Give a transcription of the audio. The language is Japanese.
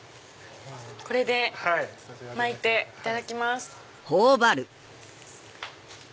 これで巻いていただきます。